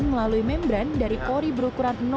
melalui membran dari kori berukuran satu